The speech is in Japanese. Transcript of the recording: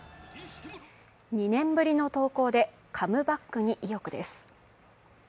２年ぶりの投稿でカムバックに意欲です。